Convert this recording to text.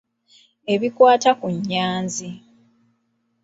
Ebikwata ku Nyanzi.